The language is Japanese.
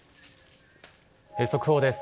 速報です。